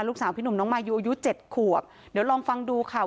พี่หนุ่มน้องมายูอายุเจ็ดขวบเดี๋ยวลองฟังดูค่ะ